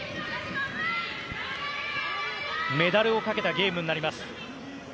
メダルをかけたゲームになります。